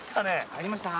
入りました。